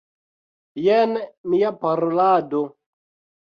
Jen mia parolado.